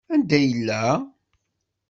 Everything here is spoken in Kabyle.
Anda yella?